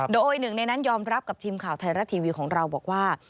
โดยหนึ่งในนั้นยอมรับกับทีมข่าวไทยรัฐทีวีของเราบอกว่า